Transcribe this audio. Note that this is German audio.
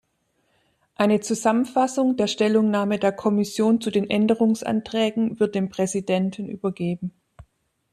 Eine Zusammenfassung der Stellungnahme der Kommission zu den Änderungsanträgen wird dem Präsidenten übergeben.